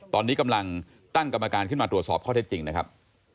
ตอนนี้กำลังตั้งกรรมการขึ้นมาตรวจสอบข้อเท็จจริงนะครับ